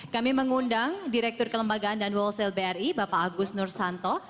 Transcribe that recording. kami mengundang direktur kelembagaan dan wholesale bri bapak agus nursanto